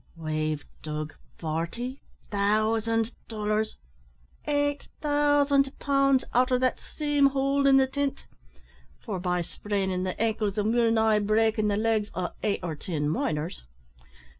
We've dug forty thousand dollars eight thousand pounds out o' that same hole in the tint; forby sprainin' the ankles, and well nigh breakin' the legs, o' eight or tin miners.